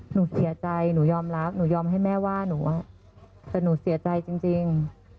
หนูเสียใจหนูยอมรับหนูยอมให้แม่ว่าหนูแต่หนูเสียใจจริง